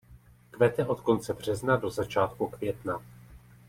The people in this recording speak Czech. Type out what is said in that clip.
Kvete od konce března do začátku května.